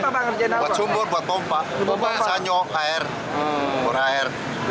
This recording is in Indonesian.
buat sumur buat pompa sanjo air bor air